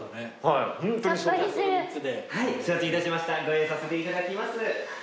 ご用意させていただきます。